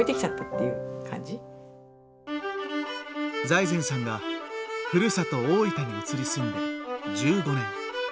財前さんがふるさと大分に移り住んで１５年。